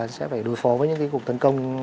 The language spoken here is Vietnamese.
sẽ phải đối phó với những cuộc tấn công